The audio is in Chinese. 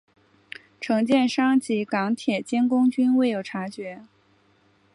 承建商及港铁监工均未有察觉。